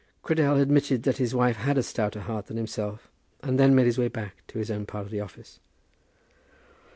Cradell admitted that his wife had a stouter heart than himself, and then made his way back to his own part of the office.